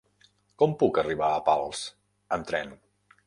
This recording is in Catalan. Com puc arribar a Pals amb tren?